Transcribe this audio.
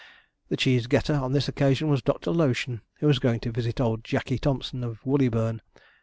The cheese getter on this occasion was Doctor Lotion, who was going to visit old Jackey Thompson, of Woolleyburn.